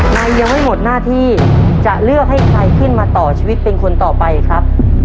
ในยังไม่หมดหน้าที่จะเลือกให้ใครขึ้นมาต่อชีวิตเป็นคนต่อไปครับ